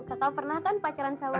kakak pernah kan pacaran sama mbak tita